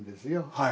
はい。